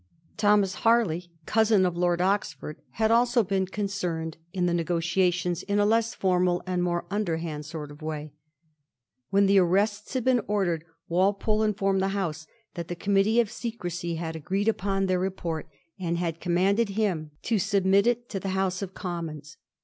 Thomas Harley, cousin of Lord Oxford, had also been con Digiti zed by Google 140 A HISTORY OF THE FOUR GEORGES. ch.ti. cerned in the negotiations in a less formal and more underhand sort of way. When the arrests had beea ordered Walpole informed the House that the Com mittee of Secrecy had agreed upon their report, aad had commanded him to submit it to the House of Commons.